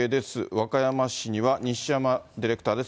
和歌山市には西山ディレクターです。